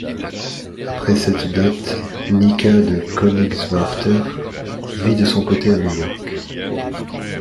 Après cette date, Nica de Koenigswarter vit de son côté à New York.